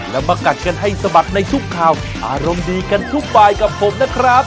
แล้วมากัดกันให้สะบัดในทุกข่าวอารมณ์ดีกันทุกบายกับผมนะครับ